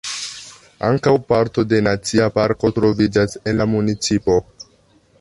Ankaŭ parto de nacia parko troviĝas en la municipo.